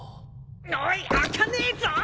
おい開かねえぞ！